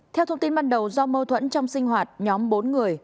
theo thông tin ban đầu do mâu thuẫn trong sinh hoạt nhóm bốn người